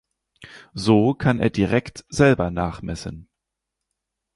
So kann er direkt selber nachmessen.